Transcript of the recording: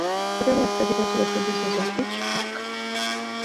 Programming is credited to the producers of each track.